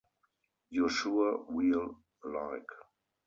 You’re sure we’ll like.